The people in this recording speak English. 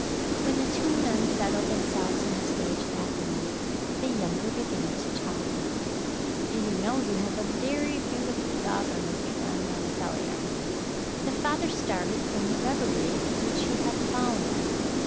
When the two men settled themselves in the stage that night, the younger began to talk: "Do you know you have a very beautiful daughter, Mr. Van Rensselaer?" The father started from the reverie into which he had fallen.